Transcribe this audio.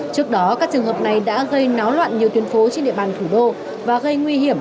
trước đó các trường hợp này đã gây náo loạn nhiều tuyến phố trên địa bàn thủ đô và gây nguy hiểm